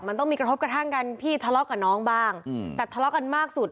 มันต้องมีกระทบกระทั่งกันพี่ทะเลาะกับน้องบ้างแต่ทะเลาะกันมากสุด